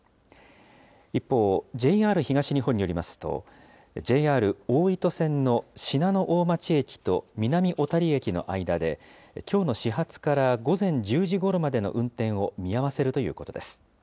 一方、ＪＲ東日本によりますと、ＪＲ大糸線の信濃大町駅と南小谷駅の間で、きょうの始発から午前１０時ごろまでの運転を見合わせるということです。